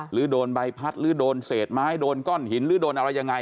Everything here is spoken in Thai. หรือโดนใบพัดหรือโดนเศษไม้โดนก้อนหินหรือโดนอะไรยังไง